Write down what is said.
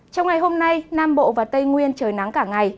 trong ngày hôm nay nam bộ và tây nguyên trời nắng cả ngày